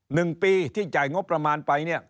หนึ่งปีที่จ่ายงบประมาณไป